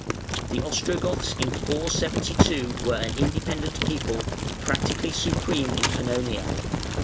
The Ostrogoths in 472 were an independent people, practically supreme in Pannonia.